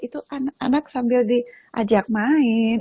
itu anak anak sambil diajak main